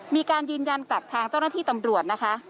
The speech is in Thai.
มีการยืนยันกับทางเจ้าหน้าที่ตำรวจนะคะ